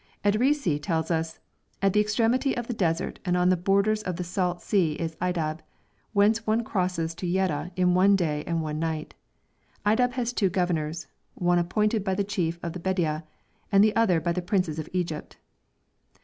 Edrisi tells us: 'At the extremity of the desert and on the borders of the salt sea is Aydab, whence one crosses to Yedda in one day and one night. Aydab has two governors, one appointed by the chief of the Bedja, and the other by the princes of Egypt.'